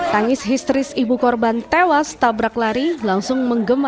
tangis histeris ibu korban tewas tabrak lari langsung menggema